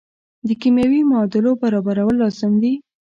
د کیمیاوي معادلو برابرول لازم دي.